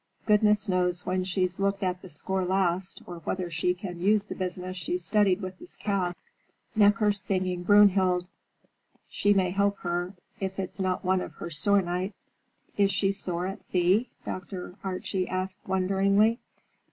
Goodness knows when she's looked at the score last, or whether she can use the business she's studied with this cast. Necker's singing Brünnhilde; she may help her, if it's not one of her sore nights." "Is she sore at Thea?" Dr. Archie asked wonderingly.